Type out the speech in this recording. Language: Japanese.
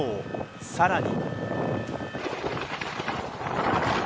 さらに。